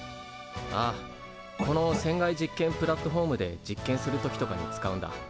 ああこの船外実験プラットフォームで実験する時とかに使うんだ。